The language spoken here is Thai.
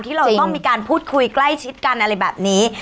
เราต้องมีการพูดคุยใกล้ชิดกันอะไรแบบนี้